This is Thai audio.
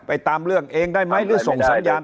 ตามเรื่องเองได้ไหมหรือส่งสัญญาณ